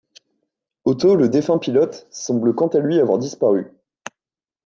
Otto, le défunt pilote, semble quant à lui avoir disparu.